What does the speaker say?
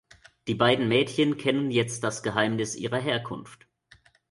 Die beiden Mädchen kennen jetzt das Geheimnis ihrer Herkunft.